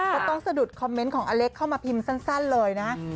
สะดุดคอมเมนต์ของอเล็กเข้ามาพิมพ์สั้นเลยนะ